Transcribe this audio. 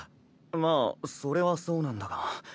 まあそれはそうなんだが。